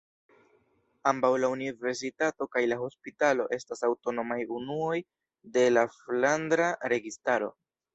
Ambaŭ la universitato kaj la hospitalo estas aŭtonomaj unuoj de la Flandra Registaro.